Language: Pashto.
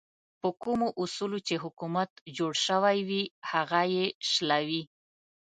په کومو اصولو چې حکومت جوړ شوی وي هغه یې شلوي.